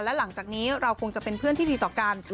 และหลังจากนี้เราคงจะเป็นเพื่อนที่ดีต่อกัน